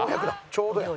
ちょうどや。